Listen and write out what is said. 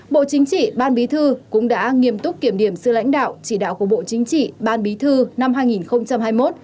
bộ chính trị ban bí thư cũng đã nghiêm túc kiểm điểm sự lãnh đạo chỉ đạo của bộ chính trị ban bí thư năm hai nghìn hai mươi một